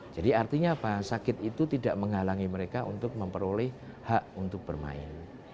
jadi artinya apa sakit itu tidak menghalangi mereka untuk memperoleh hak untuk bermain